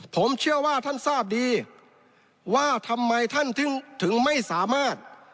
ผมเชื่อว่าท่านทราบดีว่าทำไมท่านถึงไม่สามารถ